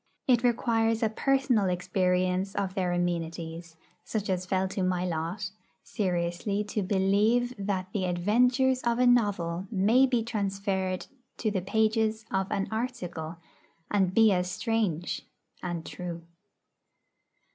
It requires a personal experience of their amenities, such as fell to my lot, seriously to believe that the adventures of a novel may be transferred to the pages of an 'article,' and be as strange and true.